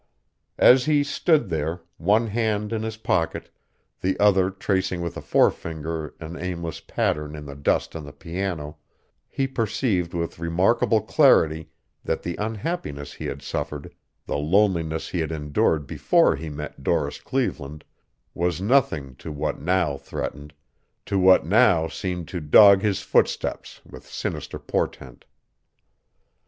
As he stood there, one hand in his pocket, the other tracing with a forefinger an aimless pattern in the dust on the piano, he perceived with remarkable clarity that the unhappiness he had suffered, the loneliness he had endured before he met Doris Cleveland was nothing to what now threatened, to what now seemed to dog his footsteps with sinister portent.